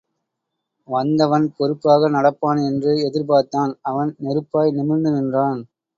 வந்தவன் பொறுப்பாக நடப்பான் என்று எதிர்பார்த்தான் அவன் நெருப்பாய் நிமிர்ந்து நின்றான்.